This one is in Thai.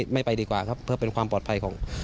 ไม่ไปดีกว่าครับเพื่อเป็นความปลอดภัยของ